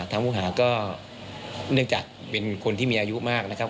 ผู้หาก็เนื่องจากเป็นคนที่มีอายุมากนะครับ